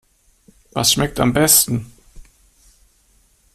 Was schmeckt am besten?